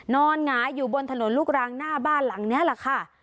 หงายอยู่บนถนนลูกรังหน้าบ้านหลังนี้แหละค่ะ